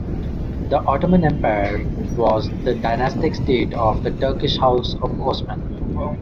The Ottoman Empire was the dynastic state of the Turkish House of Osman.